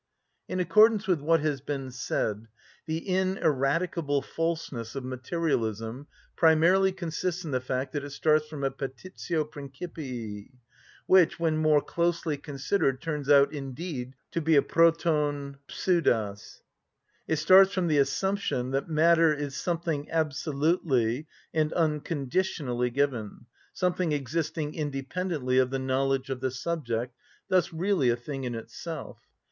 In accordance with what has been said, the ineradicable falseness of materialism primarily consists in the fact that it starts from a petitio principii, which when more closely considered turns out indeed to be a πρωτον φευδος. It starts from the assumption that matter is something absolutely and unconditionally given, something existing independently of the knowledge of the subject, thus really a thing in itself.